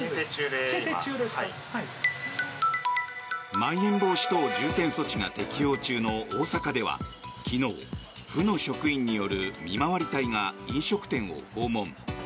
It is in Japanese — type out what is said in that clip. まん延防止等重点措置が適用中の大阪では昨日、府の職員による見回り隊が飲食店を訪問。